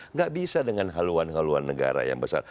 nggak bisa dengan haluan haluan negara yang besar